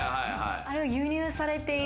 あれは輸入されている？